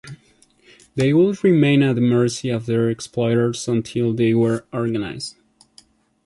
They would remain at the mercy of their exploiters until they were organized.